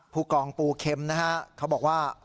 ผู้กองปูเข็มเค้าบอกว่า